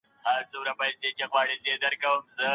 د کورنۍ پلان جوړونه څه ده؟